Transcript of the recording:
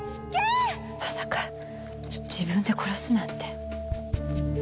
まさか自分で殺すなんて。